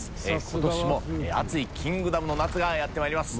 今年もアツイキングダム」の夏がやってまいります。